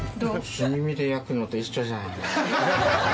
「炭火で焼くのと一緒じゃん」